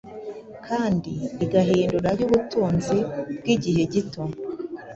kandi igahinduraYubutunzi bwigihe gito